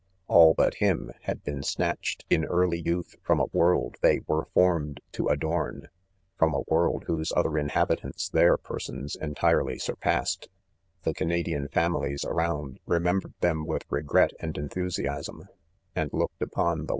All but Min, had been saatched in early youth from a worid they were formed to adorn .;— from a wotM whose other inliaBitants their persons THE CONFESSIONS. 9$ entirely surpassed. The Canadian . families around, remembered them with regret and en thusiasm ; and looked upon the